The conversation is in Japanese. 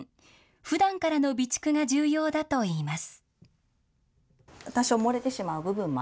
ふだんからの備蓄が重要だといいます。